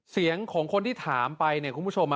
เสียงของคนที่ถามไปเนี่ยคุณผู้ชม